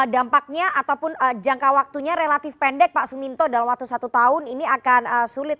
dampaknya ataupun jangka waktunya relatif pendek pak suminto dalam waktu satu tahun ini akan sulit